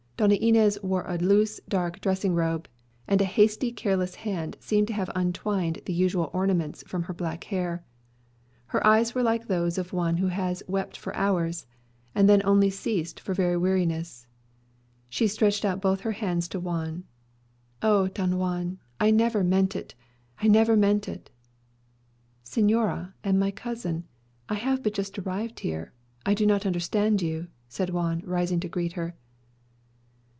Doña Inez wore a loose dark dressing robe; and a hasty careless hand seemed to have untwined the usual ornaments from her black hair. Her eyes were like those of one who has wept for hours, and then only ceased for very weariness. She stretched out both her hands to Juan "O Don Juan, I never meant it! I never meant it!" "Señora and my cousin, I have but just arrived here. I do not understand you," said Juan, rising to greet her.